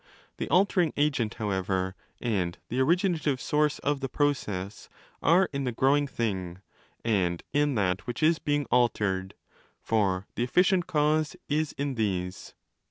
The altering agent, however, and the originative source of the process are in the growing thing and in that which is being ' altered': for the efficient cause is in these.